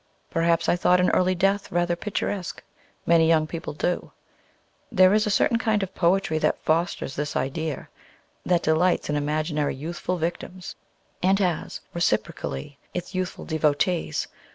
Perhaps I thought an early death rather picturesque; many young people do. There is a certain kind of poetry that fosters this idea; that delights in imaginary youthful victims, and has, reciprocally, its youthful devotees.